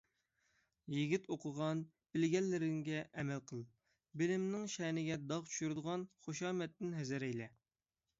يىگىت، ئوقۇغان - بىلگەنلىرىڭگە ئەمەل قىل، بىلىمنىڭ شەنىگە داغ چۈشۈرىدىغان خۇشامەتتىن ھەزەر ئەيلە!